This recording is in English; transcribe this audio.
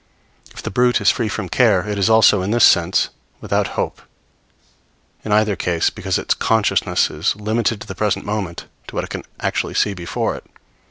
If the brute is free from care, it is also, in this sense, without hope; in either case, because its consciousness is limited to the present moment, to what it can actually see before it.